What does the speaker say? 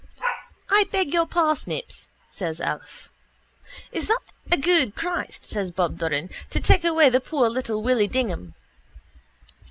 —I beg your parsnips, says Alf. —Is that a good Christ, says Bob Doran, to take away poor little Willy Dignam?